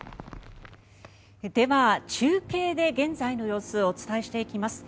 では、中継で現在の様子をお伝えしていきます。